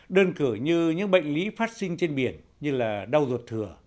đơn cử như những bệnh lý phát sinh trên biển như là đau ruột thừa